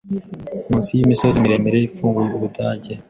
Munsi yimisozi miremire ifunga Ubudage